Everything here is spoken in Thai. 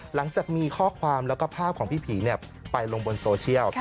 หลังจากมีข้อความแล้วก็ภาพของพี่ผีไปลงบนโซเชียล